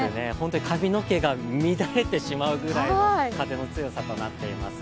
髪の毛が乱れてしまうぐらいの風の強さとなっています。